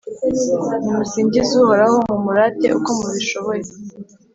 Nimusingize Uhoraho, mumurate uko mubishoboye,